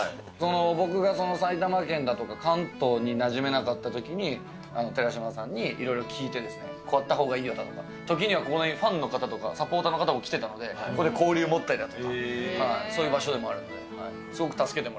僕が埼玉県だとか、関東になじめなかったときに寺島さんにいろいろ聞いて、こうやったほうがいいよだとか、時にはここにファンの方とか、サポーターの方も来てたので、ここで交流持ったりだとか、そういう場所でもあるので。